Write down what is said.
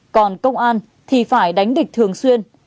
còn công an thì phải đánh địch thường xuyên